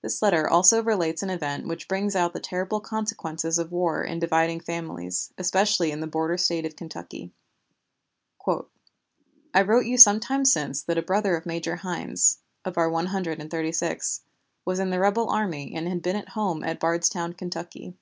This letter also relates an event which brings out the terrible consequences of war in dividing families, especially in the border State of Kentucky: "I wrote you some time since that a brother of Major Hynes (of our One Hundred and Thirty sixth) was in the rebel army and had been at home at Bardstown, Kentucky.